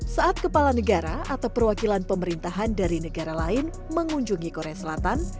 saat kepala negara atau perwakilan pemerintahan dari negara lain mengunjungi korea selatan